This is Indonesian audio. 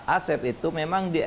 asep itu memang di